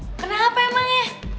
loh kenapa emangnya